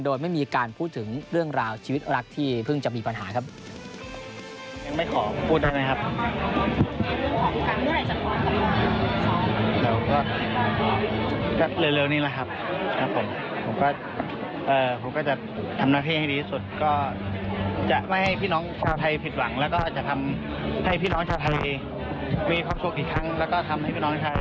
โดยไม่มีการพูดถึงเรื่องราวชีวิตรักที่เพิ่งจะมีปัญหาครับ